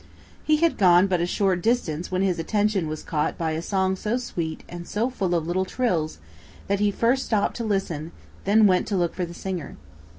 He had gone but a short distance when his attention was caught by a song so sweet and so full of little trills that he first stopped to listen, then went to look for the singer.